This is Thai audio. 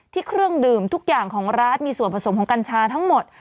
เครื่องดื่มทุกอย่างของร้านมีส่วนผสมของกัญชาทั้งหมด